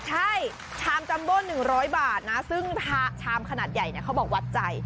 ใช่ชามจัมโบ๑๐๐บาทนะซึ่งชามขนาดใหญ่เขาบอกวัดใจ